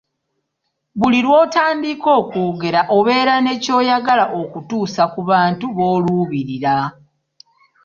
Buli lw'otandika okwogera obeerako ne ky'oyagala okutuusa ku bantu b'oluubirira.